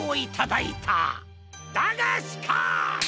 だがしかし！